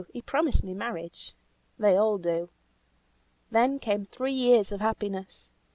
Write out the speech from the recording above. he promised me marriage. They all do. Then came three years of happiness.